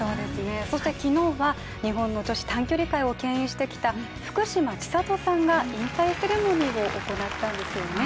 そして昨日は日本の女子短距離界をけん引してきた福島千里さんが引退セレモニーを行ったんですよね。